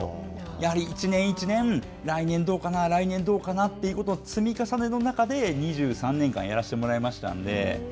やはり１年１年、来年どうかな、来年どうかなということの積み重ねの中で、２３年間やらせてもらいましたので。